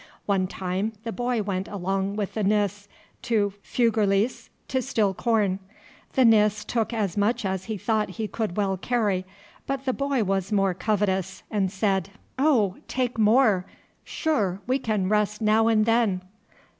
One time the boy went along with the Nis to Fugleriis to steal corn. The Nis took as much as he thought he could well carry, but the boy was more covetous, and said "Oh! take more. Sure, we can rest now and then!"